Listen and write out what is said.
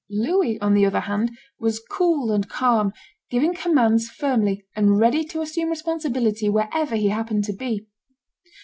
Louis, on the other hand, was cool and calm, giving commands firmly, and ready to assume responsibility wherever he happened to be.